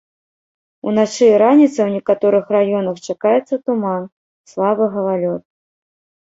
Уначы і раніцай у некаторых раёнах чакаецца туман, слабы галалёд.